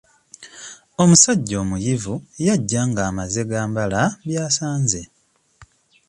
Omusajja omuyivu yajja ng'amaze gambala by'asanze.